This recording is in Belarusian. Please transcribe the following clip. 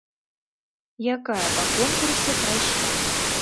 Якая па конкурсе прайшла.